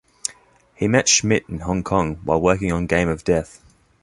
He met Schmidt in Hong Kong while working on "Game of Death".